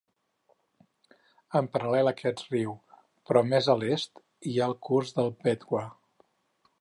En paral·lel a aquest riu, però més a l'est, hi ha el curs del Betwa.